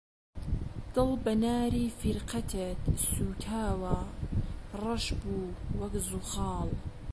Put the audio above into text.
دڵ بە ناری فیرقەتت سووتاوە، ڕەش بوو وەک زوخاڵ